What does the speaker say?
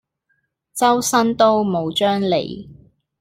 周身刀冇張利